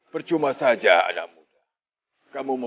kau akan menantangku